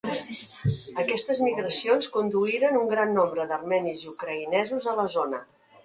Aquestes migracions conduïren un gran nombre d'armenis i ucraïnesos a la zona.